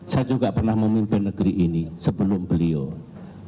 saya juga pernah memimpin negeri ini sebelum beliau